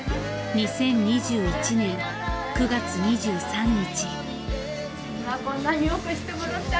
２０２１年９月２３日。